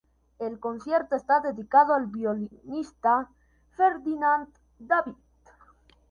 El concierto está dedicado al violinista Ferdinand David.